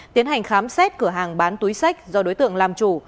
tiến hành khám xét cửa hàng bán túi sách do đối tượng làm chủ